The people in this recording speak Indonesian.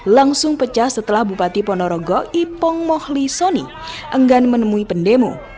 langsung pecah setelah bupati ponorogo ipong mohli soni enggan menemui pendemo